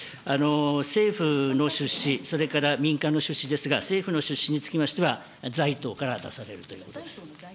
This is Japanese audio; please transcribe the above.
政府の出資、それから民間の出資ですが、政府の出資につきましては、財投から出されるということです。